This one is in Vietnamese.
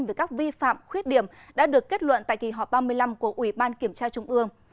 về các vi phạm khuyết điểm đã được kết luận tại kỳ họp ba mươi năm của ủy ban kiểm tra trung ương